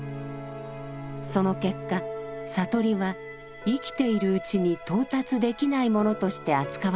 その結果悟りは生きているうちに到達できないものとして扱われるようになります。